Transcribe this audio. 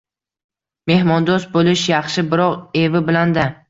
Mehmondo`st bo`lish yaxshi, biroq, evi bilan-da